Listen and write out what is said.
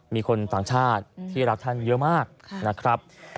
มีคนต่างชาติที่รักท่านเยอะมากนะครับ